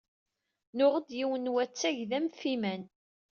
Nuɣ-d yiwen n wattag d amfiman.